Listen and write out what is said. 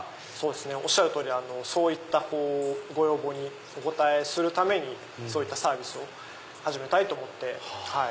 おっしゃる通りそういったご要望にお応えするためにそういったサービスを始めたいと思って。